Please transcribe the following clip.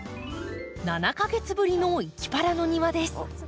７か月ぶりの「いきパラ」の庭です。